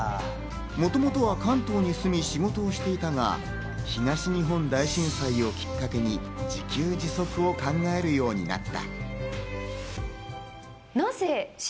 もともとは関東に住み、仕事をしていたが、東日本大震災をきっかけに自給自足を考えるようになった。